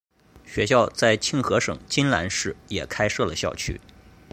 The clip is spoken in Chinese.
学院在庆和省金兰市也开设了校区。